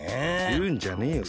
いうんじゃねえよ